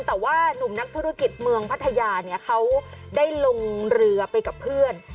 แต่ว่านุ่มนักธุรกิจเมืองพัทยาเนี่ยเขาได้ลงเรือไปกับเพื่อน